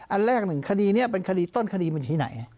อันแรกหนึ่งคดีนี้เป็นคดีต้นคดีมันอยู่ที่ไหน